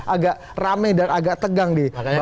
agak rame dan agak tegang di